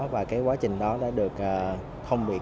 và cái quá trình đó đã được không bị cắt